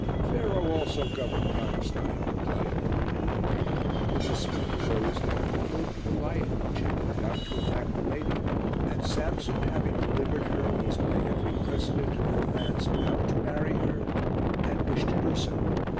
"Pharaoh also governed Palestine," replied Turiddu. The dispute arose out of the killing of the lion which had been about to attack the lady, and Samson, having delivered her, was by every precedent of romance bound to marry her and wished to do so.